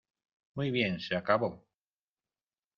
¡ Muy bien, se acabó!